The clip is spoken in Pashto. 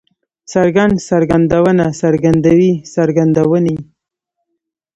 څرګند، څرګندونه، څرګندوی، څرګندونې